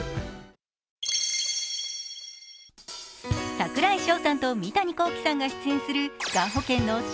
櫻井翔さんと三谷幸喜さんが出演するがん保険の新